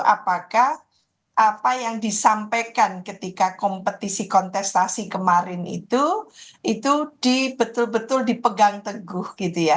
apakah apa yang disampaikan ketika kompetisi kontestasi kemarin itu itu betul betul dipegang teguh gitu ya